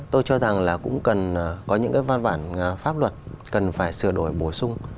tôi cho rằng là cũng cần có những cái văn bản pháp luật cần phải sửa đổi bổ sung